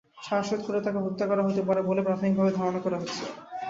শ্বাসরোধ করে তাঁকে হত্যা করা হতে পারে বলে প্রাথমিকভাবে ধারণা করা হচ্ছে।